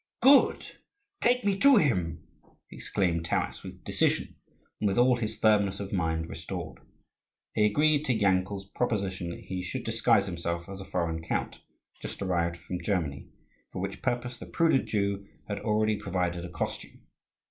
"Good. Take me to him!" exclaimed Taras, with decision, and with all his firmness of mind restored. He agreed to Yankel's proposition that he should disguise himself as a foreign count, just arrived from Germany, for which purpose the prudent Jew had already provided a costume.